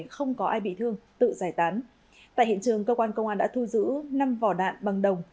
không có ai bị thương tự giải tán tại hiện trường cơ quan công an đã thu giữ năm vỏ đạn bằng đồng